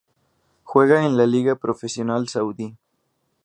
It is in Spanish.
Juega en la Liga Profesional Saudí.